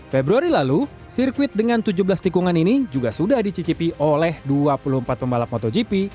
februari lalu sirkuit dengan tujuh belas tikungan ini juga sudah dicicipi oleh dua puluh empat pembalap motogp